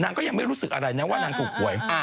ก็ยังไม่รู้สึกอะไรนะว่านางถูกหวย